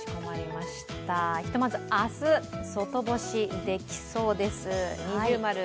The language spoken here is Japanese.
ひとまず明日、外干しできそうです。